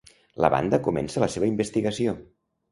La banda comença la seva investigació.